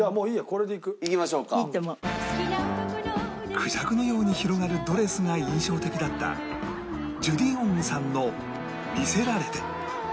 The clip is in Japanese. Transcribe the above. クジャクのように広がるドレスが印象的だったジュディ・オングさんの『魅せられて』